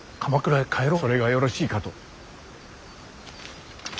それがよろしいかと。